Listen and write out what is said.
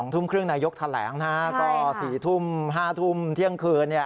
ทุ่มครึ่งนายกแถลงก็๔ทุ่ม๕ทุ่มเที่ยงคืน